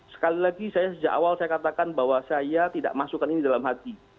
sekali lagi saya sejak awal saya katakan bahwa saya tidak masukkan ini dalam hati